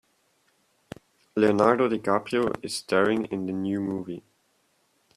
Leonardo DiCaprio is staring in the new movie.